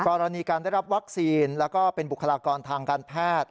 กรณีการได้รับวัคซีนแล้วก็เป็นบุคลากรทางการแพทย์